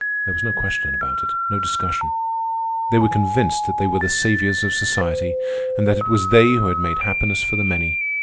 There was no question about it, no discussion. They were convinced that they were the saviours of society, and that it was they who made happiness for the many.